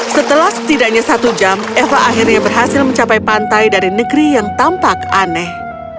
setelah setidaknya satu jam eva akhirnya berhasil mencapai pantai dari negeri yang tampak aneh